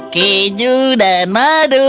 keju dan madu